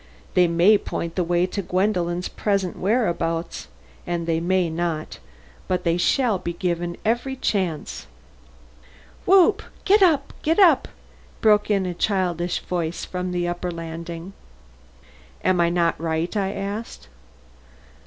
They may point the way to Gwendolen's present whereabouts and they may not. But they shall be given every chance." "Whoop! get up! get up!" broke in a childish voice from the upper landing. "Am I not right?" I asked.